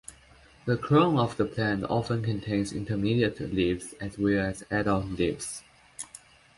The crown of the plant often contains intermediate leaves as well as adult leaves.